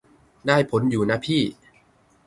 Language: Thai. ได้ผลอยู่นะพี่